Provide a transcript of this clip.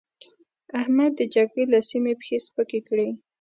احمد د جګړې له سيمې پښې سپکې کړې.